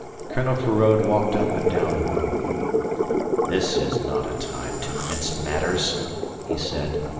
Colonel Feraud walked up and down the room. "This is not a time to mince matters," he said.